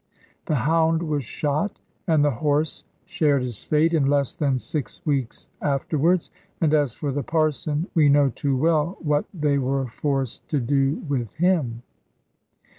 The hound was shot, and the horse shared his fate in less than six weeks afterwards; and as for the Parson, we know too well what they were forced to do with him.